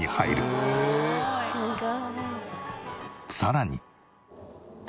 さらに。